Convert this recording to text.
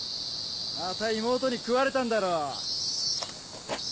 また妹に食われたんだろ。